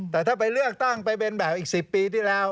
แต่ถ้าไปเลือกตั้งไปเป็นแบบอีก๑๐ปีที่แล้ว